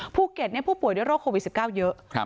ภูเก็ตเนี้ยผู้ป่วยด้วยโรคโควิดสิบเก้าเยอะครับ